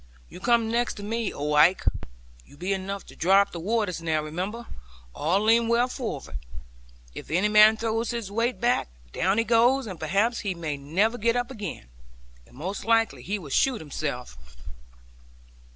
'You come next to me, old Ike; you be enough to dry up the waters; now, remember, all lean well forward. If any man throws his weight back, down he goes; and perhaps he may never get up again; and most likely he will shoot himself.'